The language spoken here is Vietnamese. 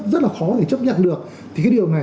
rất là khó thể chấp nhận được thì cái điều này